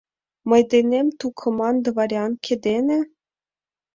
Мый денем, тукыман дворянке дене?